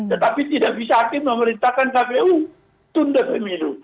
tetapi tidak bisa hakim memerintahkan kpu tunda pemilu